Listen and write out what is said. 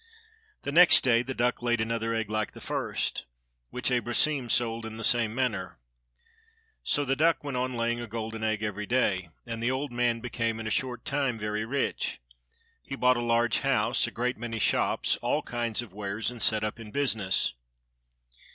The next day the duck laid another egg like the first, which Abrosim sold in the same manner. So the duck went on laying a golden egg every day, and the old man became, in a short time, very rich. He bought a large house, a great many shops, all kinds of wares, and set up in business.